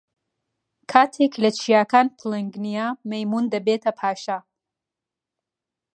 کاتێک لە چیاکان پڵنگ نییە، مەیموون دەبێتە پاشا.